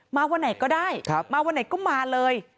วันไหนก็ได้มาวันไหนก็มาเลย